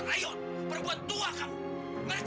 tapi menebat semua ayat dua orang sama saja